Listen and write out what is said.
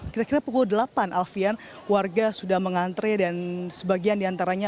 kira kira pukul delapan alfian warga sudah mengantre dan sebagian diantaranya